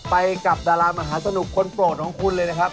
ไปกับดารามหาสนุกคนโปรดของคุณเลยนะครับ